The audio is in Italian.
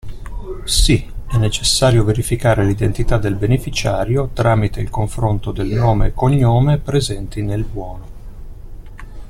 Sì, è necessario verificare l'identità del beneficiario tramite il confronto del nome e cognome presenti nel buono.